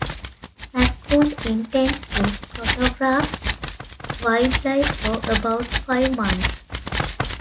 McCunn intended to photograph wildlife for about five months.